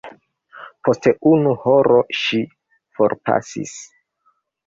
Post unu horo ŝi forpasis.